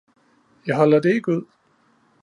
Jeg holder det ikke ud!